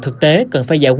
thực tế công việc tại tp hcm